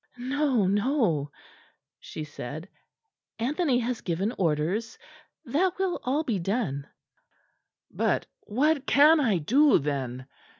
"No, no," she said, "Anthony has given orders; that will all be done." "But what can I do then?"